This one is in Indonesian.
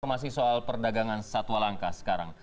masih soal perdagangan satwa langka sekarang